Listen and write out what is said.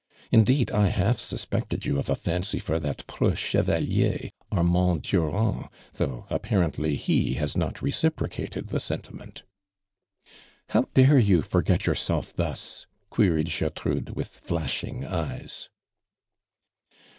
Indeed, I half sus pected you of a fancy for that preux chevalier, Armand Durand, though apparently ho has not reciprocated the sen4ment." "How dare you forget yourself thus?" queried Gertrude, with flashing eyes.